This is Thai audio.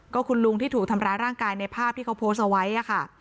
ก็คุณลุงที่ถูกทำร้ายร่างกายในภาพที่เขาโพสต์เอาไว้ค่ะ